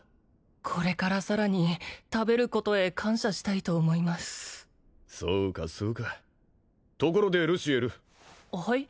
これからさらに食べることへ感謝したいと思いますそうかそうかところでルシエルはい？